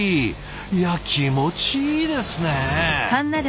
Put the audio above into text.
いや気持ちいいですね。